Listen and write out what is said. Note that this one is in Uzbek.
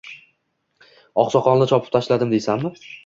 Oqsoqolni chopib tashladim deysanmi